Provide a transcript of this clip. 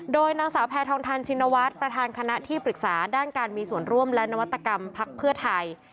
โดยนางสาวแพทองทันชินวัฒน์ประธานคณะที่ปรึกษาด้านการมีส่วนร่วมและนวัตกรรมพักเพื่อไทย